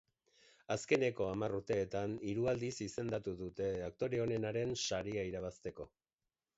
Azkeneko hamar urteetan hiru aldiz izendatu dute aktore onenaren saria irabazteko.